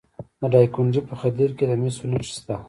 د دایکنډي په خدیر کې د مسو نښې شته.